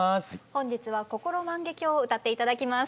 本日は「こころ万華鏡」を歌って頂きます。